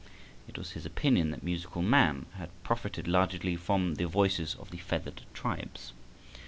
It was his opinion that musical man had profited largely from the voices of the feathered tribes.